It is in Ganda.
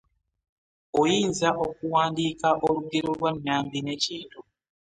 Oyinza okuwandiika olugero lwa Nambi ne KIntu.